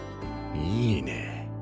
いいね！